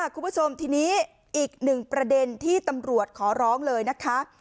คุณผู้ชมทีนี้อีกหนึ่งประเด็นที่ตำรวจขอร้องเลยนะคะ